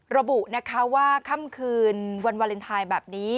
ระบุนะคะว่าค่ำคืนวันวาเลนไทยแบบนี้